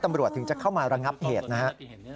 ตำรวจถึงจะเข้ามาระงับเหตุนะฮะ